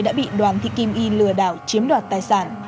đã bị đoàn thị kim y lừa đảo chiếm đoạt tài sản